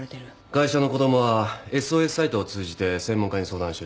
ガイ者の子供はＳＯＳサイトを通じて専門家に相談してる。